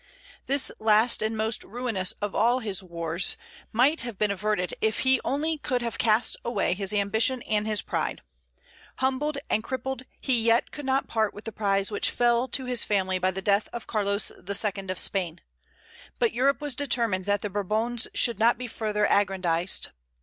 This last and most ruinous of all his wars might have been averted if he only could have cast away his ambition and his pride. Humbled and crippled, he yet could not part with the prize which fell to his family by the death of Carlos II. of Spain. But Europe was determined that the Bourbons should not be further aggrandized.